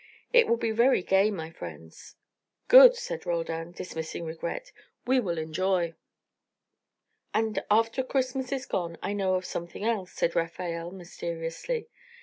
It will be very gay, my friends." "Good," said Roldan, dismissing regret. "We will enjoy." "And after Christmas is gone I know of something else," said Rafael, mysteriously.